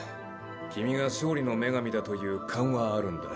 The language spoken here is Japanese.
君が勝利の女神だという勘はあるんだ。